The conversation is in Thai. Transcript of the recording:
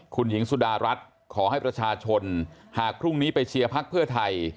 คุณหญิงสุดารัฐขอให้ประชาชนหากพรุ่งนี้ไปเชียร์พักเพื่อไทย